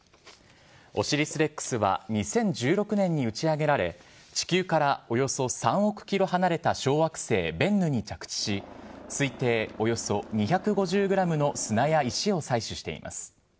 オシリス・レックスは２０１６年に打ち上げられ、地球からおよそ３億キロ離れた小惑星ベンヌに着地し、推定およそ２５０グラムの砂や石を採取しています。